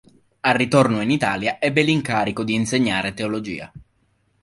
Al ritorno in Italia ebbe l'incarico di insegnare teologia.